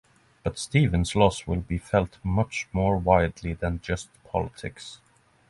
But Stephen's loss will be felt much more widely than just politics.